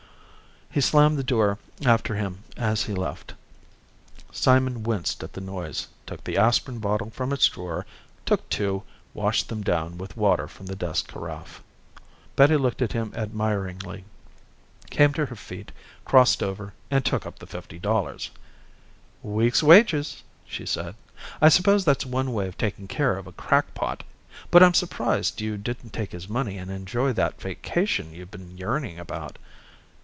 He slammed the door after him as he left. Simon winced at the noise, took the aspirin bottle from its drawer, took two, washed them down with water from the desk carafe. Betty looked at him admiringly. Came to her feet, crossed over and took up the fifty dollars. "Week's wages," she said. "I suppose that's one way of taking care of a crackpot. But I'm surprised you didn't take his money and enjoy that vacation you've been yearning about."